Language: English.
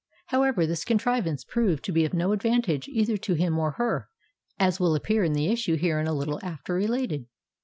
However, this contrivance proved to be of no advantage either to him or her, as will appear in the issue herein a little after related.